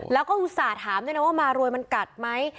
แล้วก็อุตส่าห์ถามด้วยนะว่ามารวยมันกัดไหม